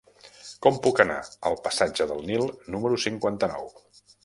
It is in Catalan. Com puc anar al passatge del Nil número cinquanta-nou?